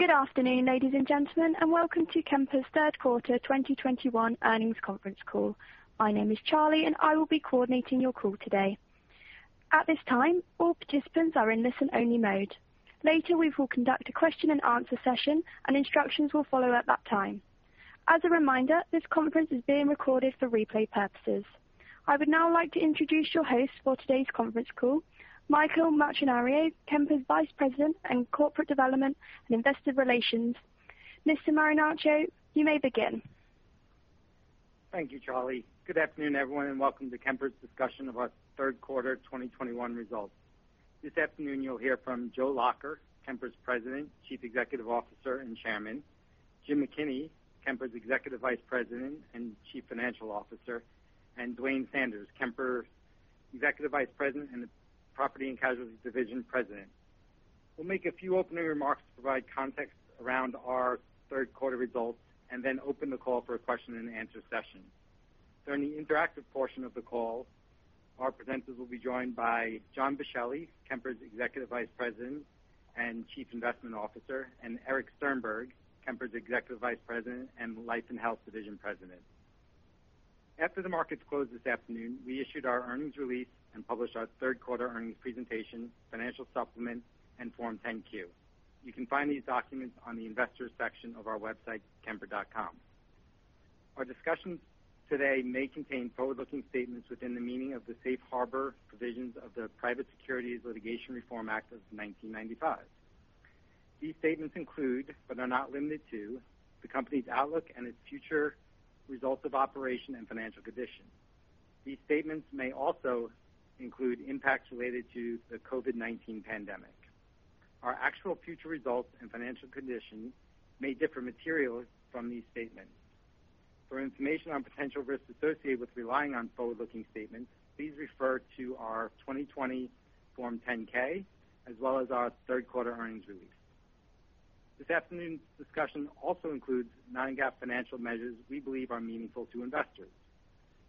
Good afternoon, ladies and gentlemen, and welcome to Kemper's Q3 2021 earnings conference call. My name is Charlie, and I will be coordinating your call today. At this time, all participants are in listen-only mode. Later, we will conduct a question and answer session, and instructions will follow at that time. As a reminder, this conference is being recorded for replay purposes. I would now like to introduce your host for today's conference call, Michael Marinaccio, Kemper's Vice President in Corporate Development and Investor Relations. Mr. Marinaccio, you may begin. Thank you, Charlie. Good afternoon, everyone, and welcome to Kemper's discussion of our Q3 2021 results. This afternoon, you'll hear from Joseph P. Lacher, Kemper's President, Chief Executive Officer and Chairman, James McKinney, Kemper's Executive Vice President and Chief Financial Officer, and Duane Sanders, Kemper's Executive Vice President and Property and Casualty Division President. We'll make a few opening remarks to provide context around our Q3 results and then open the call for a question and answer session. During the interactive portion of the call, our presenters will be joined by John Boschelli, Kemper's Executive Vice President and Chief Investment Officer, and Eric Sternberg, Kemper's Executive Vice President and Life and Health Division President. After the markets closed this afternoon, we issued our earnings release and published our Q3 earnings presentation, financial supplement, and Form 10-Q. You can find these documents on the investors section of our website, kemper.com. Our discussions today may contain forward-looking statements within the meaning of the Safe Harbor provisions of the Private Securities Litigation Reform Act of 1995. These statements include, but are not limited to, the company's outlook and its future results of operations and financial condition. These statements may also include impacts related to the COVID-19 pandemic. Our actual future results and financial condition may differ materially from these statements. For information on potential risks associated with relying on forward-looking statements, please refer to our 2020 Form 10-K as well as our Q3 earnings release. This afternoon's discussion also includes non-GAAP financial measures we believe are meaningful to investors.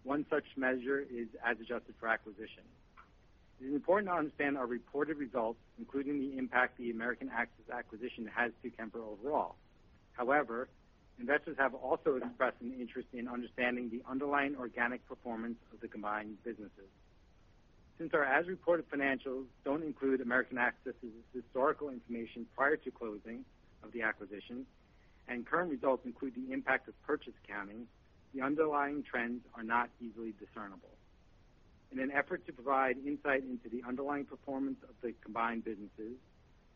One such measure is as adjusted for acquisition. It is important to understand our reported results, including the impact the American Access acquisition has to Kemper overall. However, investors have also expressed an interest in understanding the underlying organic performance of the combined businesses. Since our as-reported financials don't include American Access' historical information prior to closing of the acquisition and current results include the impact of purchase accounting, the underlying trends are not easily discernible. In an effort to provide insight into the underlying performance of the combined businesses,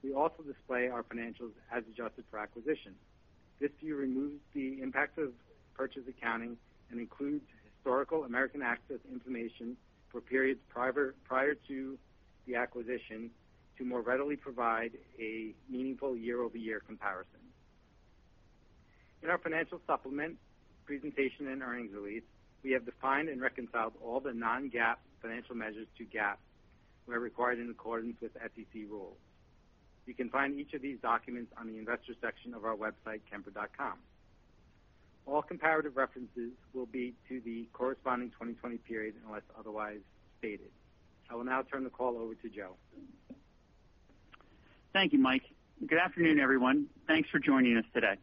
we also display our financials as adjusted for acquisition. This view removes the impacts of purchase accounting and includes historical American Access information for periods prior to the acquisition to more readily provide a meaningful year-over-year comparison. In our financial supplement presentation and earnings release, we have defined and reconciled all the non-GAAP financial measures to GAAP where required in accordance with SEC rules. You can find each of these documents on the investor section of our website, kemper.com. All comparative references will be to the corresponding 2020 period unless otherwise stated. I will now turn the call over to Joseph. Thank you, Michael. Good afternoon, everyone. Thanks for joining us today.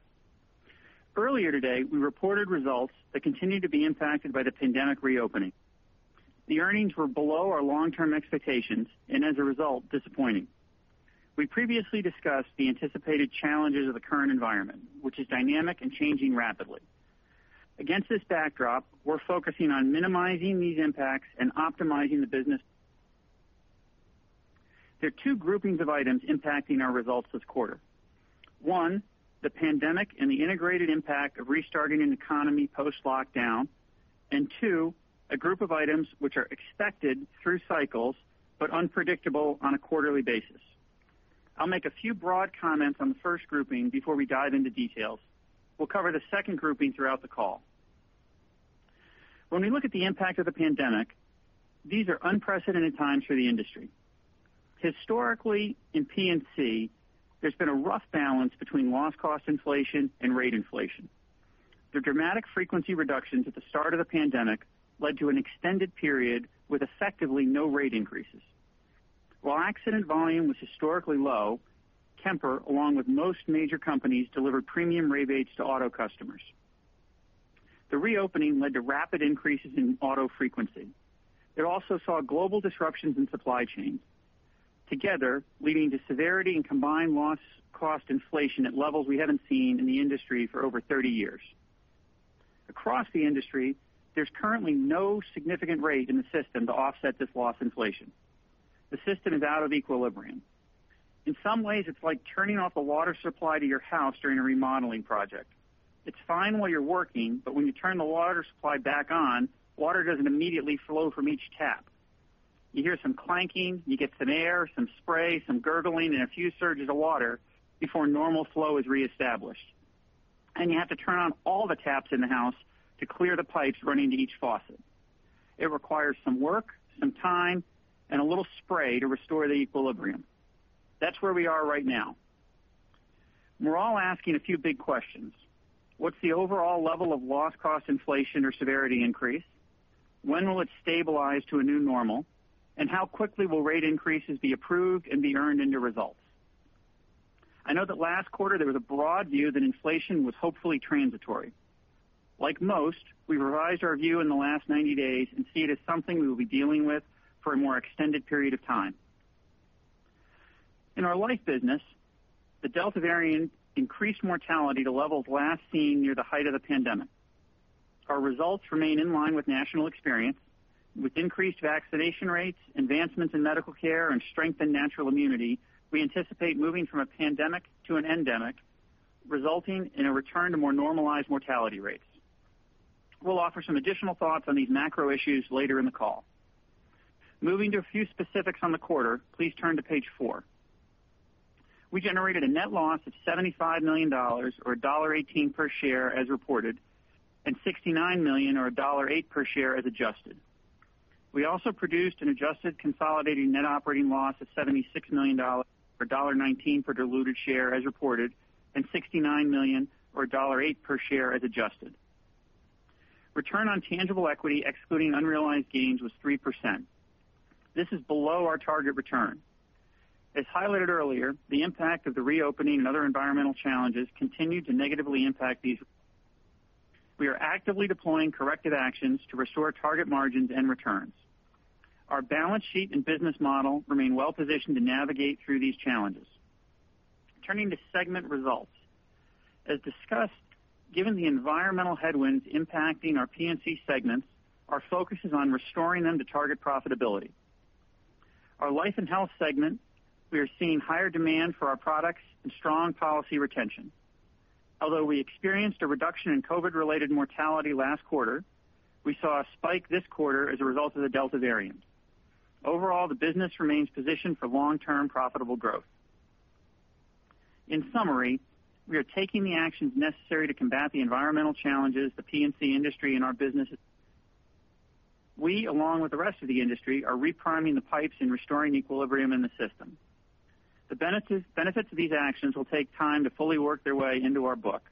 Earlier today, we reported results that continued to be impacted by the pandemic reopening. The earnings were below our long-term expectations and, as a result, disappointing. We previously discussed the anticipated challenges of the current environment, which is dynamic and changing rapidly. Against this backdrop, we're focusing on minimizing these impacts and optimizing the business. There are two groupings of items impacting our results this quarter. One, the pandemic and the integrated impact of restarting an economy post-lockdown. Two, a group of items which are expected through cycles but unpredictable on a quarterly basis. I'll make a few broad comments on the first grouping before we dive into details. We'll cover the second grouping throughout the call. When we look at the impact of the pandemic, these are unprecedented times for the industry. Historically, in P&C, there's been a rough balance between loss cost inflation and rate inflation. The dramatic frequency reductions at the start of the pandemic led to an extended period with effectively no rate increases. While accident volume was historically low, Kemper, along with most major companies, delivered premium rebates to auto customers. The reopening led to rapid increases in auto frequency. It also saw global disruptions in supply chains, together leading to severity and combined loss cost inflation at levels we haven't seen in the industry for over thirty years. Across the industry, there's currently no significant rate in the system to offset this loss inflation. The system is out of equilibrium. In some ways, it's like turning off the water supply to your house during a remodeling project. It's fine while you're working, but when you turn the water supply back on, water doesn't immediately flow from each tap. You hear some clanking, you get some air, some spray, some gurgling, and a few surges of water before normal flow is reestablished. You have to turn on all the taps in the house to clear the pipes running to each faucet. It requires some work, some time, and a little spray to restore the equilibrium. That's where we are right now. We're all asking a few big questions. What's the overall level of loss cost inflation or severity increase? When will it stabilize to a new normal? How quickly will rate increases be approved and be earned into results? I know that last quarter there was a broad view that inflation was hopefully transitory. Like most, we revised our view in the last 90 days and see it as something we will be dealing with for a more extended period of time. In our life business, the Delta variant increased mortality to levels last seen near the height of the pandemic. Our results remain in line with national experience. With increased vaccination rates, advancements in medical care, and strengthened natural immunity, we anticipate moving from a pandemic to an endemic, resulting in a return to more normalized mortality rates. We'll offer some additional thoughts on these macro issues later in the call. Moving to a few specifics on the quarter, please turn to page 4. We generated a net loss of $75 million or $1.18 per share as reported, and $69 million or $1.08 per share as adjusted. We also produced an adjusted consolidating net operating loss of $76 million or $1.19 per diluted share as reported, and $69 million or $1.08 per share as adjusted. Return on tangible equity excluding unrealized gains was 3%. This is below our target return. As highlighted earlier, the impact of the reopening and other environmental challenges continue to negatively impact these. We are actively deploying corrective actions to restore target margins and returns. Our balance sheet and business model remain well positioned to navigate through these challenges. Turning to segment results. As discussed, given the environmental headwinds impacting our P&C segments, our focus is on restoring them to target profitability. In our Life and Health segment, we are seeing higher demand for our products and strong policy retention. Although we experienced a reduction in COVID-related mortality last quarter, we saw a spike this quarter as a result of the Delta variant. Overall, the business remains positioned for long-term profitable growth. In summary, we are taking the actions necessary to combat the environmental challenges the P&C industry and our business. We, along with the rest of the industry, are re-priming the pipes and restoring equilibrium in the system. The benefits of these actions will take time to fully work their way into our book.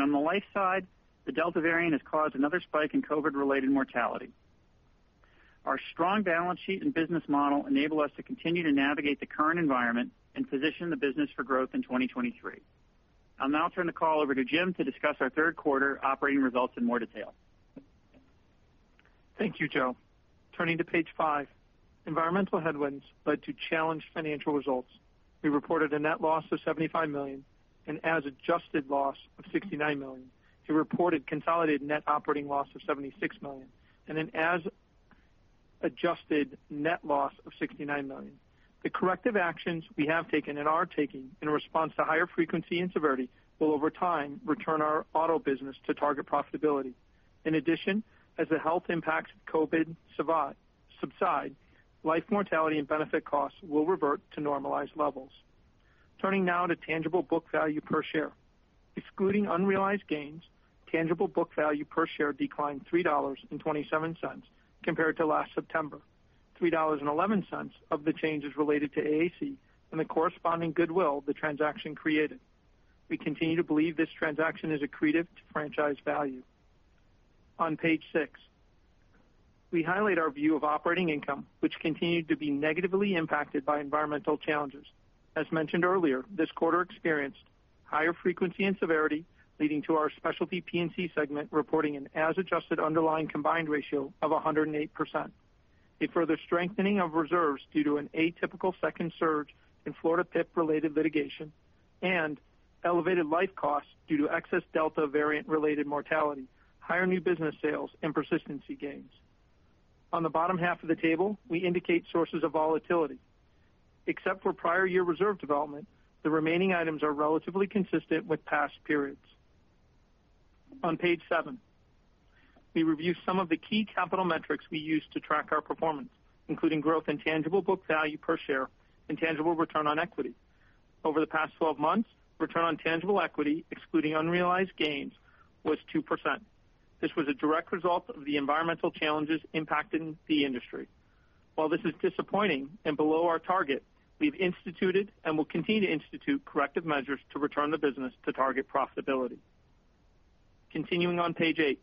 On the life side, the Delta variant has caused another spike in COVID-related mortality. Our strong balance sheet and business model enable us to continue to navigate the current environment and position the business for growth in 2023. I'll now turn the call over to James to discuss our Q3 operating results in more detail. Thank you, Joseph. Turning to page 5. Environmental headwinds led to challenged financial results. We reported a net loss of $75 million and as-adjusted loss of $69 million, a reported consolidated net operating loss of $76 million, and an as-adjusted net loss of $69 million. The corrective actions we have taken and are taking in response to higher frequency and severity will over time return our auto business to target profitability. In addition, as the health impacts of COVID subside, life mortality and benefit costs will revert to normalized levels. Turning now to tangible book value per share. Excluding unrealized gains, tangible book value per share declined $3.27 compared to last September. $3.11 of the changes related to AAC and the corresponding goodwill the transaction created. We continue to believe this transaction is accretive to franchise value. On page six, we highlight our view of operating income, which continued to be negatively impacted by environmental challenges. As mentioned earlier, this quarter experienced higher frequency and severity, leading to our Specialty P&C segment reporting an as adjusted underlying combined ratio of 108%, a further strengthening of reserves due to an atypical second surge in Florida PIP-related litigation and elevated life costs due to excess Delta variant-related mortality, higher new business sales and persistency gains. On the bottom half of the table, we indicate sources of volatility. Except for prior-year reserve development, the remaining items are relatively consistent with past periods. On page seven, we review some of the key capital metrics we use to track our performance, including growth in tangible book value per share and tangible return on equity. Over the past 12 months, return on tangible equity, excluding unrealized gains, was 2%. This was a direct result of the environmental challenges impacting the industry. While this is disappointing and below our target, we've instituted and will continue to institute corrective measures to return the business to target profitability. Continuing on page 8,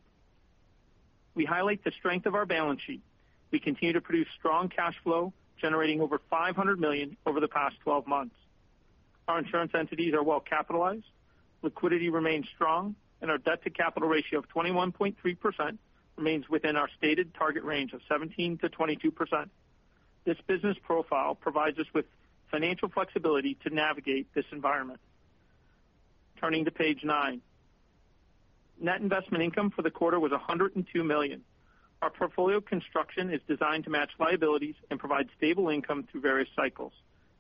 we highlight the strength of our balance sheet. We continue to produce strong cash flow, generating over $500 million over the past 12 months. Our insurance entities are well capitalized, liquidity remains strong, and our debt-to-capital ratio of 21.3% remains within our stated target range of 17%-22%. This business profile provides us with financial flexibility to navigate this environment. Turning to page 9. Net investment income for the quarter was $102 million. Our portfolio construction is designed to match liabilities and provide stable income through various cycles.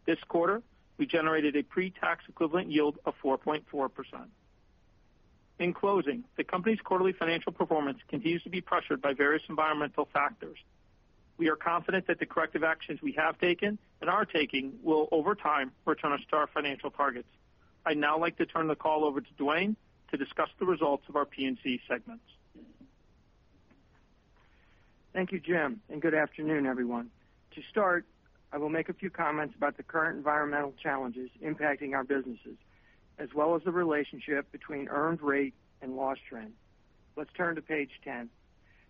This quarter, we generated a pre-tax equivalent yield of 4.4%. In closing, the company's quarterly financial performance continues to be pressured by various environmental factors. We are confident that the corrective actions we have taken and are taking will over time return us to our financial targets. I'd now like to turn the call over to Duane to discuss the results of our P&C segments. Thank you, James, and good afternoon, everyone. To start, I will make a few comments about the current environmental challenges impacting our businesses. As well as the relationship between earned rate and loss trend. Let's turn to page 10.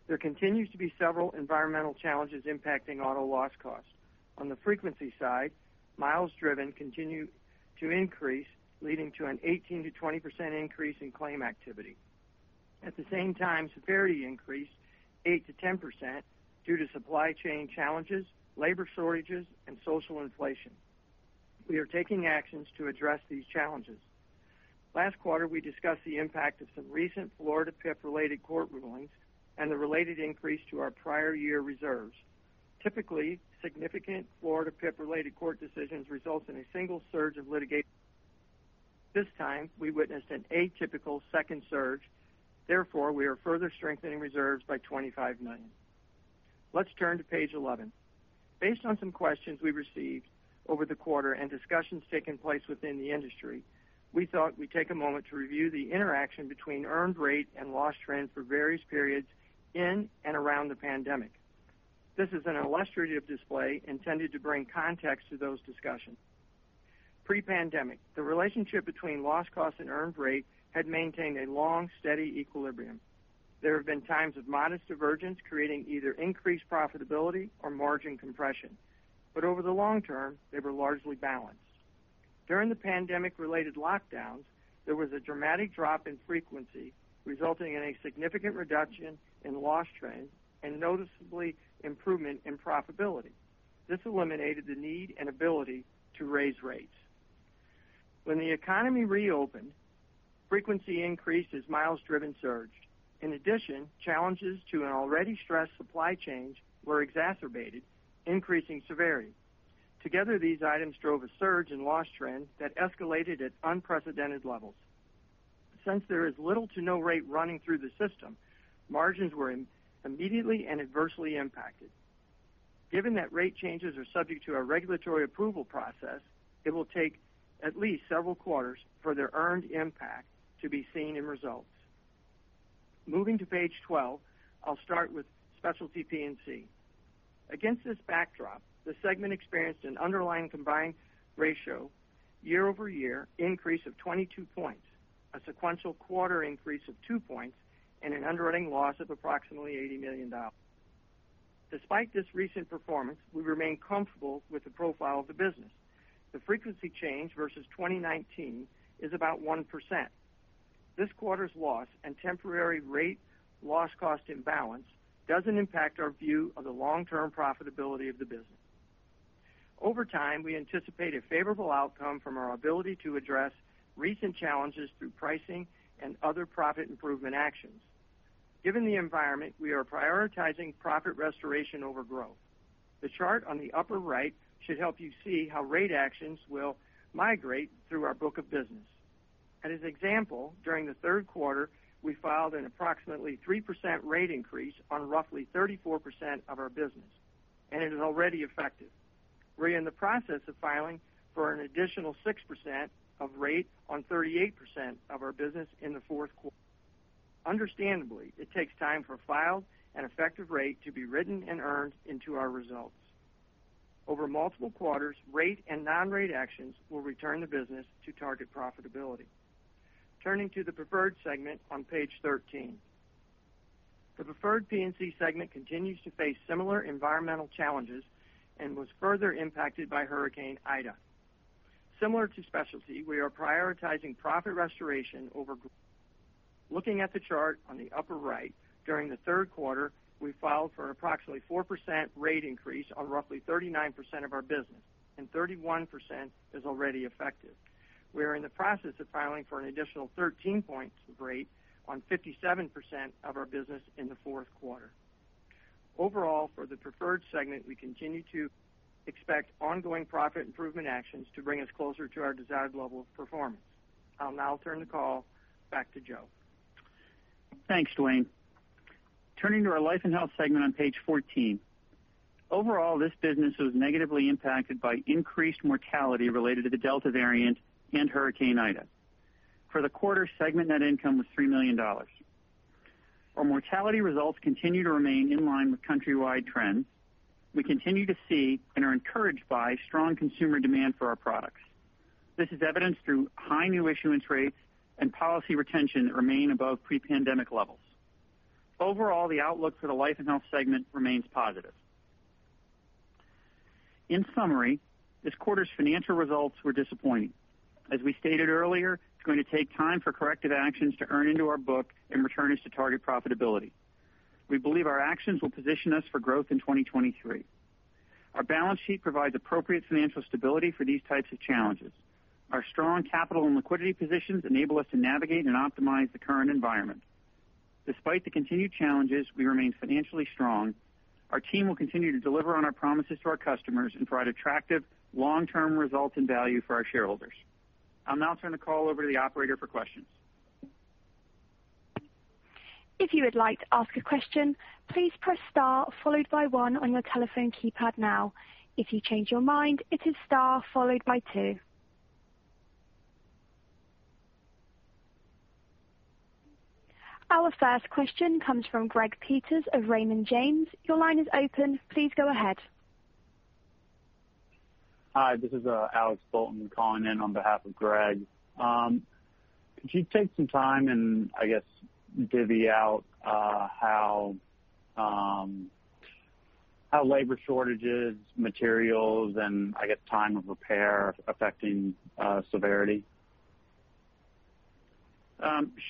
There continues to be several environmental challenges impacting auto loss costs. On the frequency side, miles driven continue to increase, leading to an 18%-20% increase in claim activity. At the same time, severity increased 8%-10% due to supply chain challenges, labor shortages, and social inflation. We are taking actions to address these challenges. Last quarter, we discussed the impact of some recent Florida PIP-related court rulings and the related increase to our prior year reserves. Typically, significant Florida PIP-related court decisions result in a single surge of litigation. This time, we witnessed an atypical second surge. Therefore, we are further strengthening reserves by $25 million. Let's turn to page 11. Based on some questions we received over the quarter and discussions taking place within the industry, we thought we'd take a moment to review the interaction between earned rate and loss trends for various periods in and around the pandemic. This is an illustrative display intended to bring context to those discussions. Pre-pandemic, the relationship between loss cost and earned rate had maintained a long, steady equilibrium. There have been times of modest divergence, creating either increased profitability or margin compression. Over the long term, they were largely balanced. During the pandemic-related lockdowns, there was a dramatic drop in frequency, resulting in a significant reduction in loss trend and noticeable improvement in profitability. This eliminated the need and ability to raise rates. When the economy reopened, frequency increased as miles driven surged. In addition, challenges to an already stressed supply chains were exacerbated, increasing severity. Together, these items drove a surge in loss trends that escalated at unprecedented levels. Since there is little to no rate running through the system, margins were immediately and adversely impacted. Given that rate changes are subject to a regulatory approval process, it will take at least several quarters for their earned impact to be seen in results. Moving to page 12, I'll start with Specialty P&C. Against this backdrop, the segment experienced an underlying combined ratio year-over-year increase of 22 points, a sequential quarter increase of 2 points, and an underwriting loss of approximately $80 million. Despite this recent performance, we remain comfortable with the profile of the business. The frequency change versus 2019 is about 1%. This quarter's loss and temporary rate loss cost imbalance doesn't impact our view of the long-term profitability of the business. Over time, we anticipate a favorable outcome from our ability to address recent challenges through pricing and other profit improvement actions. Given the environment, we are prioritizing profit restoration over growth. The chart on the upper right should help you see how rate actions will migrate through our book of business. As an example, during the Q3, we filed an approximately 3% rate increase on roughly 34% of our business, and it is already effective. We're in the process of filing for an additional 6% rate on 38% of our business in the Q4. Understandably, it takes time for filed and effective rate to be written and earned into our results. Over multiple quarters, rate and non-rate actions will return the business to target profitability. Turning to the Preferred segment on page 13. The Preferred P&C segment continues to face similar environmental challenges and was further impacted by Hurricane Ida. Similar to Specialty, we are prioritizing profit restoration over growth. Looking at the chart on the upper right, during the Q3, we filed for an approximately 4% rate increase on roughly 39% of our business, and 31% is already effective. We are in the process of filing for an additional 13 points of rate on 57% of our business in the Q4. Overall, for the Preferred segment, we continue to expect ongoing profit improvement actions to bring us closer to our desired level of performance. I'll now turn the call back to Joseph. Thanks, Duane. Turning to our Life & Health segment on page 14. Overall, this business was negatively impacted by increased mortality related to the Delta variant and Hurricane Ida. For the quarter, segment net income was $3 million. Our mortality results continue to remain in line with countrywide trends. We continue to see and are encouraged by strong consumer demand for our products. This is evidenced through high new issuance rates and policy retention that remain above pre-pandemic levels. Overall, the outlook for the Life & Health segment remains positive. In summary, this quarter's financial results were disappointing. As we stated earlier, it's going to take time for corrective actions to earn into our book and return us to target profitability. We believe our actions will position us for growth in 2023. Our balance sheet provides appropriate financial stability for these types of challenges. Our strong capital and liquidity positions enable us to navigate and optimize the current environment. Despite the continued challenges, we remain financially strong. Our team will continue to deliver on our promises to our customers and provide attractive long-term results and value for our shareholders. I'll now turn the call over to the operator for questions. If you would like to ask a question, please press star followed by one on your telephone keypad now. If you change your mind, it is star followed by two. Our first question comes from Greg Peters of Raymond James. Your line is open. Please go ahead. Hi, this is Alex Bolton calling in on behalf of Greg. Could you take some time and I guess dive into how labor shortages, materials, and I guess time of repair affecting severity?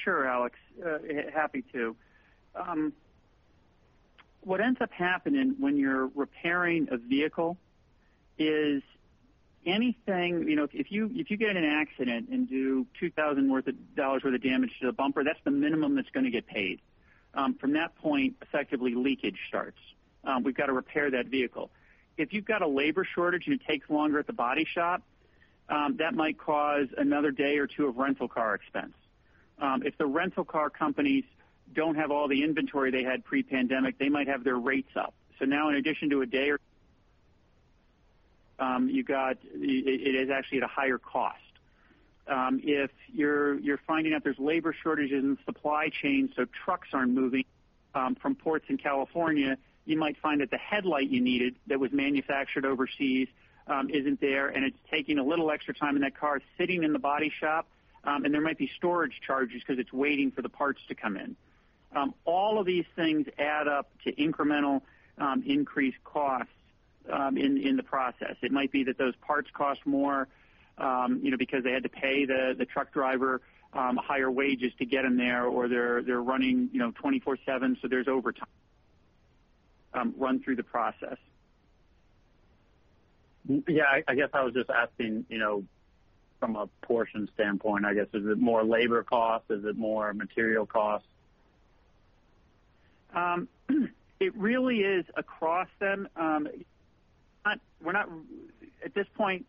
Sure, Alex. Happy to. What ends up happening when you're repairing a vehicle is anything. You know, if you get in an accident and do $2,000 worth of damage to the bumper, that's the minimum that's gonna get paid. From that point, effectively, leakage starts. We've got to repair that vehicle. If you've got a labor shortage, and it takes longer at the body shop, that might cause another day or two of rental car expense. If the rental car companies don't have all the inventory they had pre-pandemic, they might have their rates up. Now in addition to a day or, it is actually at a higher cost. If you're finding out there's labor shortages in supply chain, so trucks aren't moving from ports in California, you might find that the headlight you needed that was manufactured overseas isn't there, and it's taking a little extra time, and that car is sitting in the body shop and there might be storage charges because it's waiting for the parts to come in. All of these things add up to incremental increased costs in the process. It might be that those parts cost more, you know, because they had to pay the truck driver higher wages to get them there, or they're running, you know, 24/7, so there's over-time run through the process. Yeah, I guess I was just asking, you know, from a portion standpoint, I guess, is it more labor cost? Is it more material costs? It really is across them. At this point,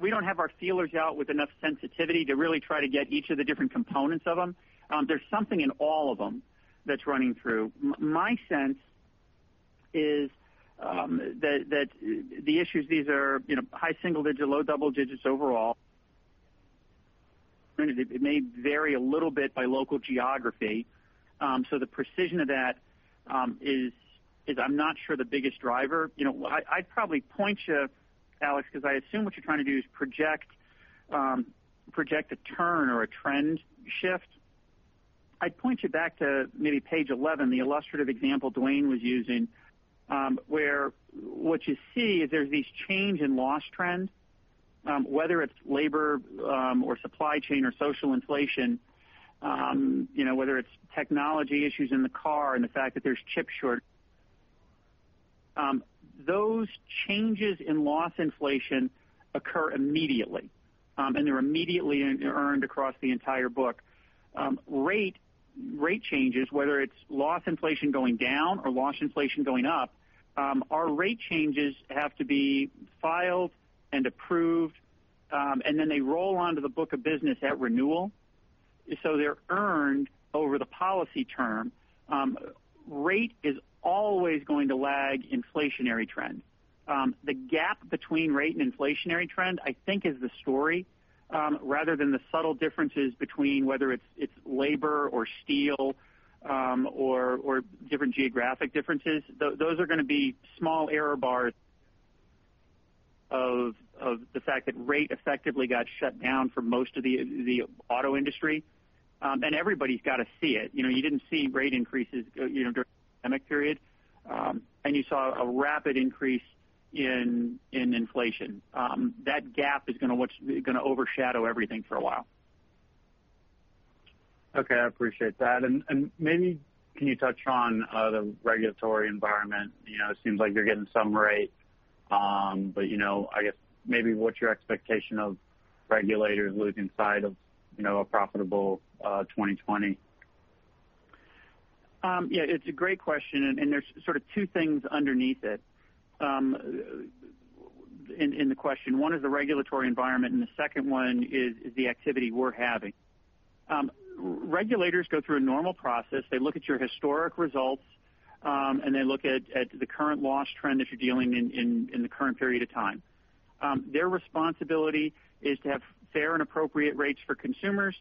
we don't have our feelers out with enough sensitivity to really try to get each of the different components of them. There's something in all of them that's running through. My sense is that the issues, these are, you know, high single digit, low double digits overall. It may vary a little bit by local geography. So the precision of that is, I'm not sure the biggest driver. You know, I'd probably point you, Alex, because I assume what you're trying to do is project a turn or a trend shift. I'd point you back to maybe page eleven, the illustrative example Duane was using, where what you see is there are these changes in loss trends, whether it's labor, or supply chain or social inflation, you know, whether it's technology issues in the car and the fact that there's chip shortage. Those changes in loss inflation occur immediately, and they're immediately earned across the entire book. Rate changes, whether it's loss inflation going down or loss inflation going up, our rate changes have to be filed and approved, and then they roll onto the book of business at renewal. They're earned over the policy term. Rate is always going to lag inflationary trends. The gap between rate and inflationary trend, I think, is the story rather than the subtle differences between whether it's labor or steel or different geographic differences. Those are going to be small error bars of the fact that rate effectively got shut down for most of the auto industry. Everybody's got to see it. You know, you didn't see rate increases, you know, during the pandemic period, and you saw a rapid increase in inflation. That gap is gonna overshadow everything for a while. Okay. I appreciate that. Maybe can you touch on the regulatory environment? You know, it seems like you're getting some rate, but you know, I guess maybe what's your expectation of regulators losing sight of, you know, a profitable 2020? Yeah, it's a great question, and there's sort of two things underneath it, in the question. One is the regulatory environment, and the second one is the activity we're having. Regulators go through a normal process. They look at your historic results, and they look at the current loss trend that you're dealing in the current period of time. Their responsibility is to have fair and appropriate rates for consumers,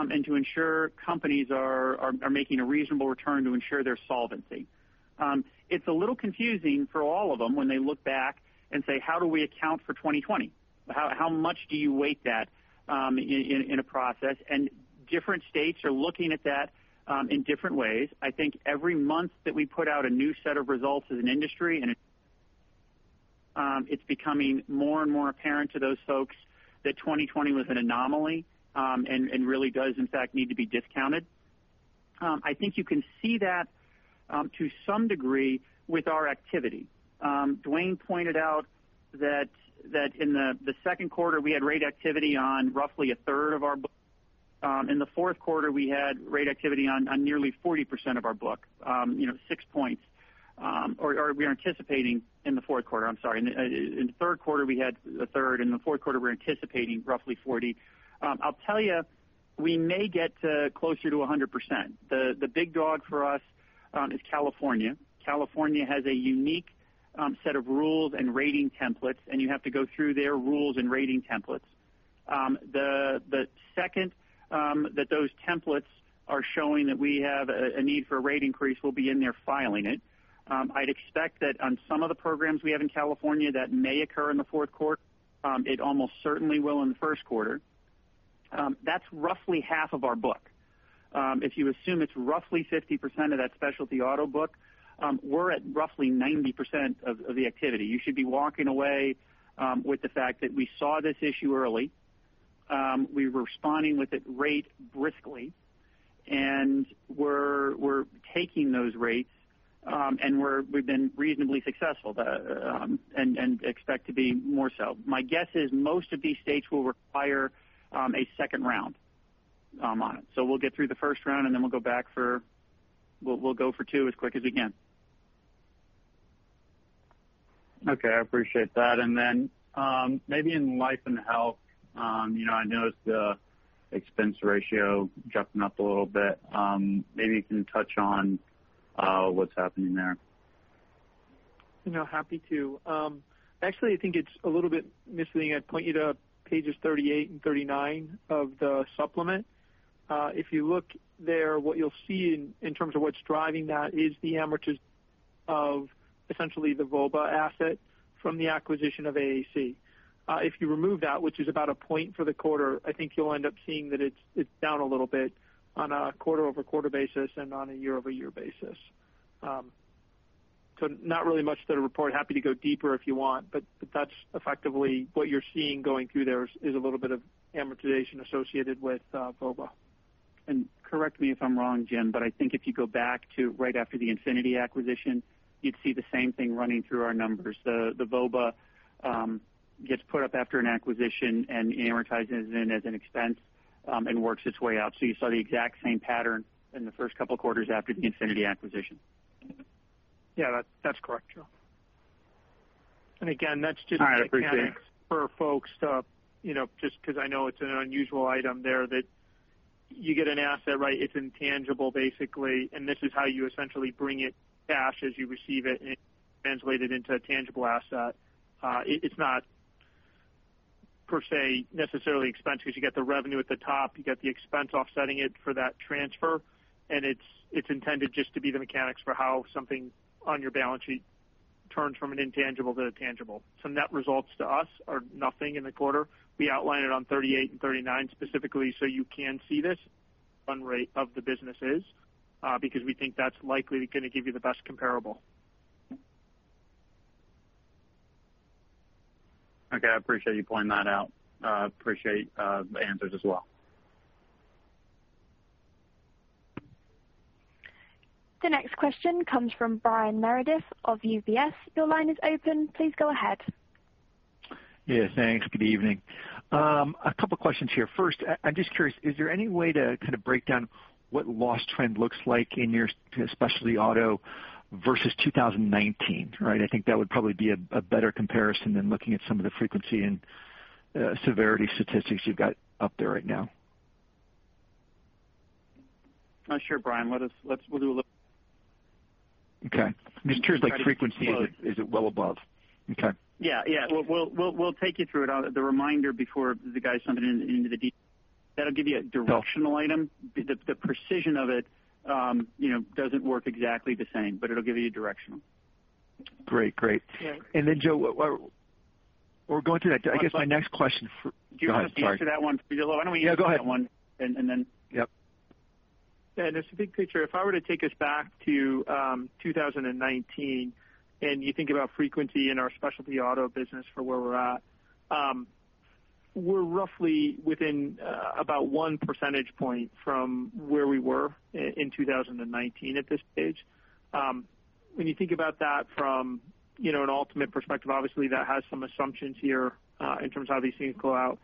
and to ensure companies are making a reasonable return to ensure their solvency. It's a little confusing for all of them when they look back and say, how do we account for 2020? How much do you weight that, in a process? Different states are looking at that, in different ways. I think every month that we put out a new set of results as an industry, and it's becoming more and more apparent to those folks that 2020 was an anomaly, and really does in fact need to be discounted. I think you can see that to some degree with our activity. Duane pointed out that in the Q2, we had rate activity on roughly a third of our book. In the Q4, we had rate activity on nearly 40% of our book, you know, 6 points. I'm sorry. In the Q3, we had a third. In the Q4, we're anticipating roughly 40. I'll tell you, we may get closer to 100%. The big dog for us is California, California has a unique set of rules and rating templates, and you have to go through their rules and rating templates. The second that those templates are showing that we have a need for a rate increase will be and then filing it. I'd expect that on some of the programs we have in California that may occur in the Q4. It almost certainly will in the Q1 That's roughly half of our book. If you assume it's roughly 50% of that specialty auto book, we're at roughly 90% of the activity. You should be walking away with the fact that we saw this issue early. We're responding with rate briskly, and we're taking those rates, and we've been reasonably successful and expect to be more so. My guess is most of these states will require a second round on it. We'll get through the first round, and then we'll go back for two as quick as we can. Okay. I appreciate that. Maybe in Life and Health, you know, I noticed the expense ratio jumping up a little bit. Maybe you can touch on what's happening there? You know, happy to. Actually, I think it's a little bit misleading. I'd point you to pages 38 and 39 of the supplement. If you look there, what you'll see in terms of what's driving that is the amortization of essentially the VOBA asset from the acquisition of AAC. If you remove that, which is about 1 point for the quarter, I think you'll end up seeing that it's down a little bit on a quarter-over-quarter basis and on a year-over-year basis. Not really much to report. Happy to go deeper if you want, but that's effectively what you're seeing going through there is a little bit of amortization associated with VOBA. Correct me if I'm wrong, James, but I think if you go back to right after the Infinity acquisition, you'd see the same thing running through our numbers. The VOBA gets put up after an acquisition and amortizes in as an expense, and works its way out. You saw the exact same pattern in the first couple quarters after the Infinity acquisition. Yeah. That's correct, Joseph. Again, that's just- I appreciate it. Mechanics for folks to, you know, just 'cause I know it's an unusual item there that you get an asset, right, it's intangible basically, and this is how you essentially bring it cash as you receive it and translate it into a tangible asset. It's not per se necessarily expense because you get the revenue at the top, you get the expense offsetting it for that transfer, and it's intended just to be the mechanics for how something on your balance sheet turns from an intangible to a tangible. So net results to us are nothing in the quarter. We outline it on 38 and 39 specifically so you can see this run rate of the businesses, because we think that's likely gonna give you the best comparable. Okay. I appreciate you pointing that out. I appreciate the answers as well. The next question comes from Brian Meredith of UBS. Your line is open. Please go ahead. Yeah, thanks. Good evening. A couple questions here. First, I'm just curious, is there any way to kind of break down what loss trend looks like in your specialty auto versus 2019, right? I think that would probably be a better comparison than looking at some of the frequency and severity statistics you've got up there right now. Sure, Brian. We'll do a little, Okay. I'm just curious, like frequency, is it well above? Okay. Yeah. We'll take you through it. The reminder before the guy jumping in. That'll give you a directional item. The precision of it, you know, doesn't work exactly the same, but it'll give you a directional. Great. Great. Yeah. Joseph, we're going through that. I guess my next question for, Do you want me to answer that one for you? Why don't we answer that one? Yeah, go ahead. And, and then... Yep. Yeah, it's a big picture. If I were to take us back to 2019, and you think about frequency in our specialty auto business for where we're at, we're roughly within about 1 percentage point from where we were in 2019 at this stage. When you think about that from, you know, an ultimate perspective, obviously, that has some assumptions here in terms of how these things go out.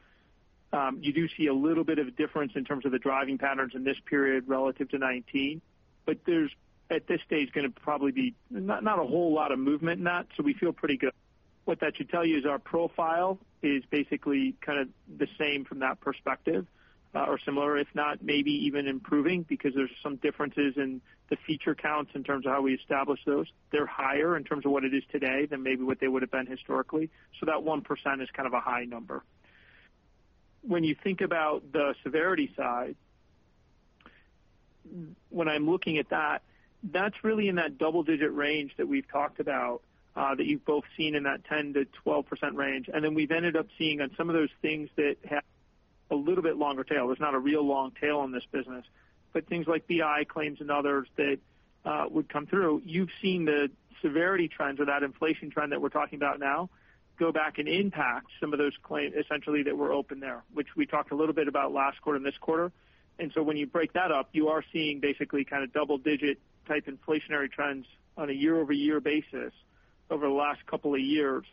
You do see a little bit of difference in terms of the driving patterns in this period relative to 2019, but there's at this stage gonna probably be not a whole lot of movement in that, so we feel pretty good. What that should tell you is our profile is basically kind of the same from that perspective, or similar, if not maybe even improving because there's some differences in the feature counts in terms of how we establish those. They're higher in terms of what it is today than maybe what they would've been historically. That 1% is kind of a high number. When you think about the severity side, when I'm looking at that's really in that double-digit range that we've talked about, that you've both seen in that 10%-12% range. We've ended up seeing on some of those things that have a little bit longer tail. There's not a real long tail in this business. Things like BI claims and others that would come through, you've seen the severity trends or that inflation trend that we're talking about now go back and impact some of those claims essentially that were open there, which we talked a little bit about last quarter and this quarter. When you break that up, you are seeing basically kind of double digit type inflationary trends on a year-over-year basis over the last couple of years,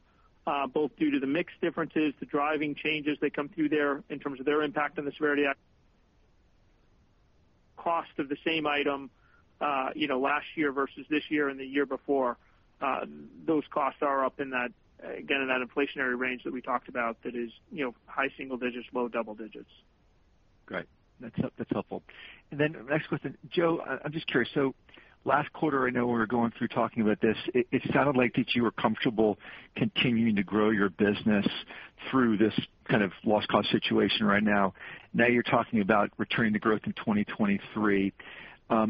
both due to the mix differences, the driving changes that come through there in terms of their impact on the severity and cost of the same item, you know, last year versus this year and the year before, those costs are up in that, again, in that inflationary range that we talked about that is, you know, high single digits, low double digits. Great. That's helpful. Then next question, Joseph, I'm just curious. Last quarter, I know we were going through talking about this, it sounded like you were comfortable continuing to grow your business through this kind of loss cost situation right now. Now you're talking about returning to growth in 2023.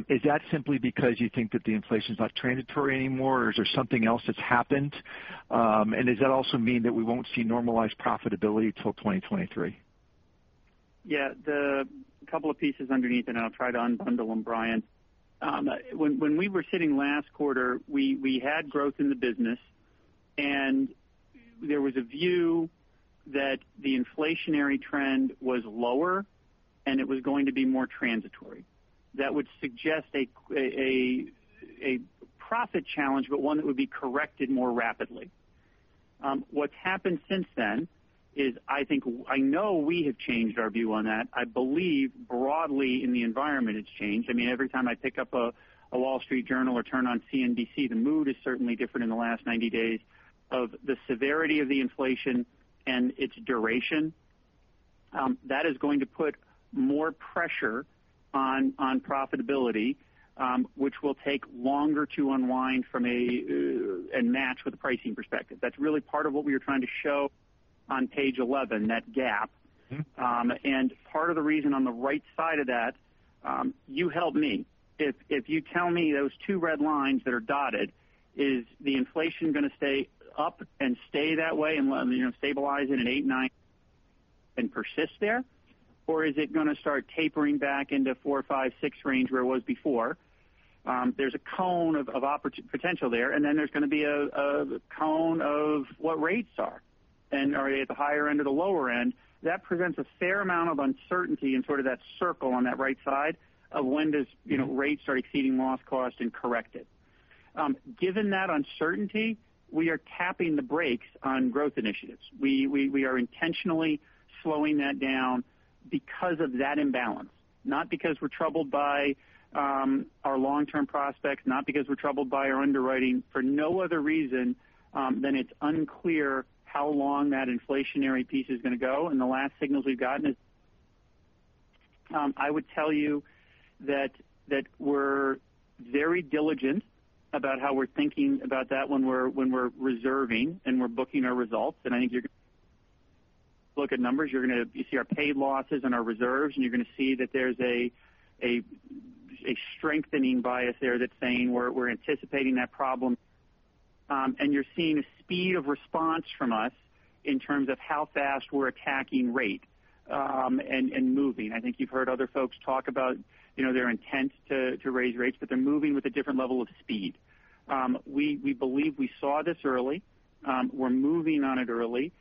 Is that simply because you think that the inflation's not transitory anymore, or is there something else that's happened? Does that also mean that we won't see normalized profitability till 2023? Yeah. The couple of pieces underneath it, and I'll try to unbundle them, Brian. When we were sitting last quarter, we had growth in the business, and there was a view that the inflationary trend was lower, and it was going to be more transitory. That would suggest a profit challenge, but one that would be corrected more rapidly. What's happened since then is I think I know we have changed our view on that. I believe broadly in the environment it's changed. I mean, every time I pick up a Wall Street Journal or turn on CNBC, the mood is certainly different in the last 90 days of the severity of the inflation and its duration. That is going to put more pressure on profitability, which will take longer to unwind and match with a pricing perspective. That's really part of what we were trying to show on page 11, that gap. Part of the reason on the right side of that, you help me. If you tell me those two red lines that are dotted, is the inflation gonna stay up and stay that way and you know, stabilize it at 8, 9 and persist there? Or is it gonna start tapering back into 4, 5, 6 range where it was before? There's a cone of potential there, and then there's gonna be a cone of what rates are and are they at the higher end or the lower end. That presents a fair amount of uncertainty in sort of that circle on that right side of when does, you know, rates start exceeding loss cost and correct it. Given that uncertainty, we are tapping the brakes on growth initiatives. We are intentionally slowing that down because of that imbalance, not because we're troubled by our long-term prospects, not because we're troubled by our underwriting, for no other reason than it's unclear how long that inflationary piece is gonna go, and the last signals we've gotten is. I would tell you that we're very diligent about how we're thinking about that when we're reserving and we're booking our results. I think you're gonna look at numbers. You're gonna see our paid losses and our reserves, and you're gonna see that there's a strengthening bias there that's saying we're anticipating that problem. You're seeing a speed of response from us in terms of how fast we're attacking rate, and moving. I think you've heard other folks talk about, you know, their intent to raise rates, but they're moving with a different level of speed. We believe we saw this early. We're moving on it early.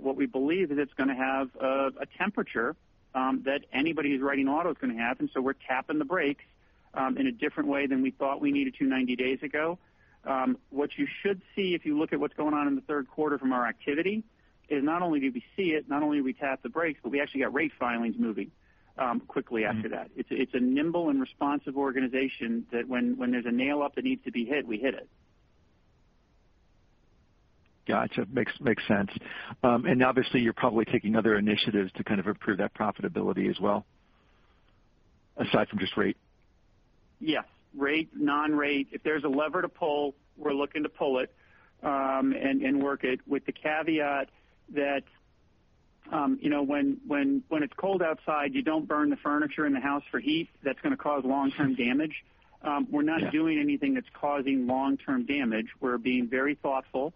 What we believe is it's gonna have a temperature that anybody who's writing auto is gonna have. We're tapping the brakes in a different way than we thought we needed to 90 days ago. What you should see if you look at what's going on in the Q3 from our activity is not only do we see it, not only do we tap the brakes, but we actually got rate filings moving quickly after that. It's a nimble and responsive organization that when there's a nail up that needs to be hit, we hit it. Got you. Makes sense. Obviously you're probably taking other initiatives to kind of improve that profitability as well, aside from just rate. Yes. Rate, non-rate. If there's a lever to pull, we're looking to pull it, and work it with the caveat that, you know, when it's cold outside, you don't burn the furniture in the house for heat. That's gonna cause long-term damage. Yeah. We're not doing anything that's causing long-term damage. We're being very thoughtful.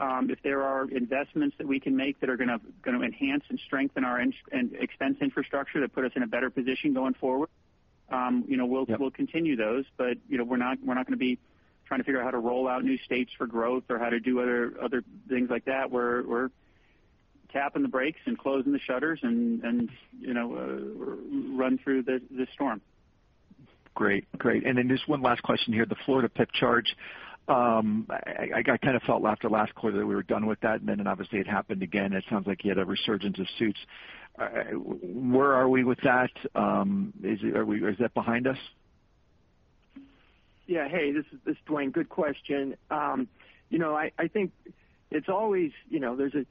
If there are investments that we can make that are gonna enhance and strengthen our insurance and expense infrastructure that put us in a better position going forward, you know, we'll We'll continue those. But, you know, we're not gonna be trying to figure out how to roll out new states for growth or how to do other things like that. We're tapping the brakes and closing the shutters and, you know, run through this storm. Great. Great. Then just one last question here. The Florida PIP charge. I kind of felt after last quarter that we were done with that, and then obviously it happened again, and it sounds like you had a resurgence of suits. Where are we with that? Is that behind us? Yeah. Hey, this is Duane. Good question. You know, I think it's always you know, there's a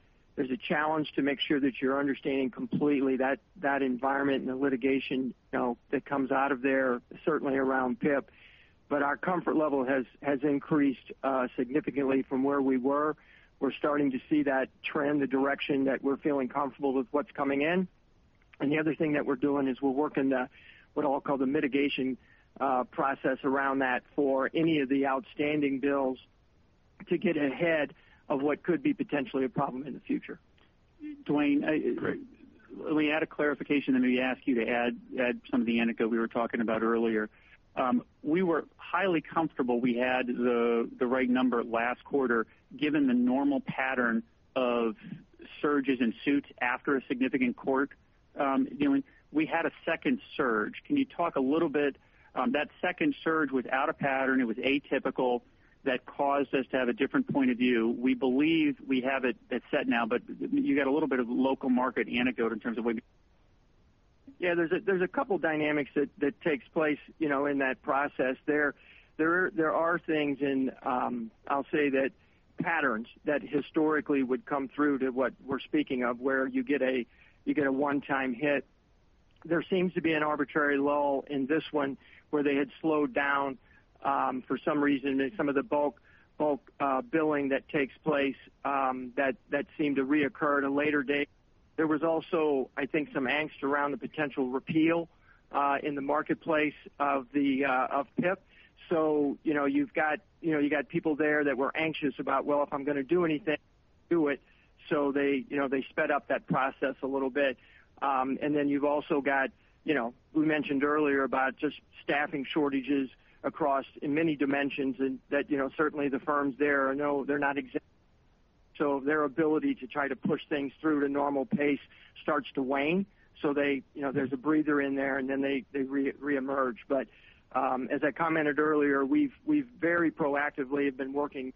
challenge to make sure that you're understanding completely that environment and the litigation, you know, that comes out of there, certainly around PIP. But our comfort level has increased significantly from where we were. We're starting to see that trend, the direction that we're feeling comfortable with what's coming in. The other thing that we're doing is we're working what I'll call the mitigation process around that for any of the outstanding bills to get ahead of what could be potentially a problem in the future. Duane, I Great. Let me add a clarification, and let me ask you to add some of the anecdote we were talking about earlier. We were highly comfortable we had the right number last quarter, given the normal pattern of surges in suits after a significant court ruling. We had a second surge. Can you talk a little bit, that second surge was out of pattern, it was atypical that caused us to have a different point of view. We believe we have it set now, but you got a little bit of local market anecdote in terms of what we- Yeah, there's a couple dynamics that takes place, you know, in that process. There are things in, I'll say, the patterns that historically would come through to what we're speaking of, where you get a one-time hit. There seems to be an arbitrary lull in this one where they had slowed down for some reason in some of the bulk billing that takes place that seemed to reoccur at a later date. There was also, I think, some angst around the potential repeal in the marketplace of PIP. You know, you've got, you know, you got people there that were anxious about, well, if I'm gonna do anything, do it. They, you know, they sped up that process a little bit. You've also got, you know, we mentioned earlier about just staffing shortages across in many dimensions and that, you know, certainly the firms there know they're not. Their ability to try to push things through at a normal pace starts to wane. They, you know, there's a breather in there, and then they reemerge. As I commented earlier, we've very proactively have been working,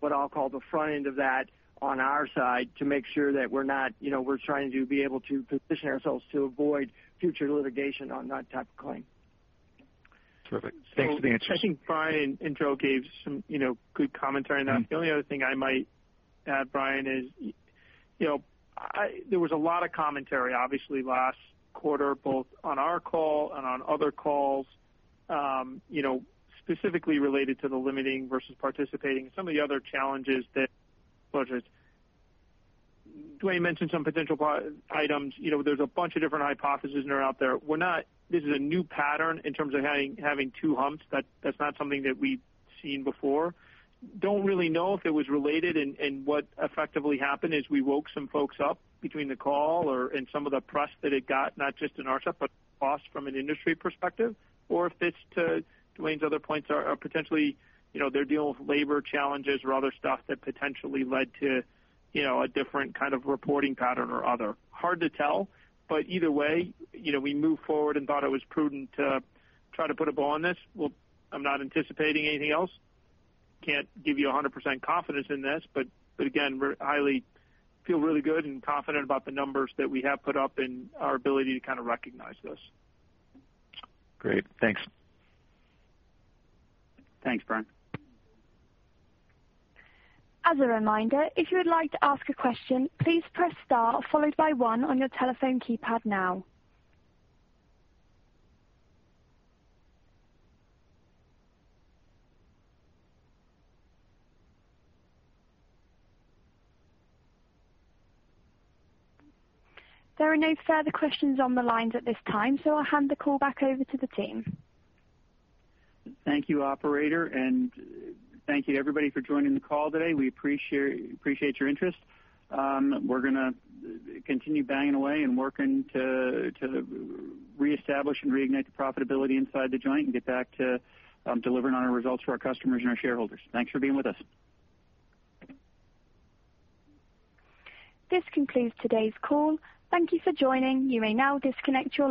what I'll call the front end of that on our side to make sure that we're not, you know, we're trying to be able to position ourselves to avoid future litigation on that type of claim. Perfect. Thanks for the answer. I think Brian and Joseph gave some, you know, good commentary on that. The only other thing I might add, Brian, is, you know, there was a lot of commentary, obviously, last quarter, both on our call and on other calls, you know, specifically related to the limiting versus participating, some of the other challenges that Budgets. Duane mentioned some potential items. You know, there's a bunch of different hypotheses that are out there. This is a new pattern in terms of having two humps. That's not something that we've seen before. Don't really know if it was related and what effectively happened is we woke some folks up between the call and some of the press that it got, not just in our stuff, but also from an industry perspective, or if it's due to Duane's other points, potentially, you know, they're dealing with labor challenges or other stuff that potentially led to, you know, a different kind of reporting pattern or other. Hard to tell, but either way, you know, we moved forward and thought it was prudent to try to put a bow on this. Well, I'm not anticipating anything else. Can't give you 100% confidence in this, but again, we feel really good and confident about the numbers that we have put up and our ability to kinda recognize this. Great. Thanks. Thanks, Brian. As a reminder, if you would like to ask a question, please press star followed by 1 on your telephone keypad now. There are no further questions on the lines at this time, so I'll hand the call back over to the team. Thank you, operator, and thank you everybody for joining the call today. We appreciate your interest. We're gonna continue banging away and working to reestablish and reignite the profitability inside the joint and get back to delivering on our results for our customers and our shareholders. Thanks for being with us. This concludes today's call. Thank you for joining. You may now disconnect your line.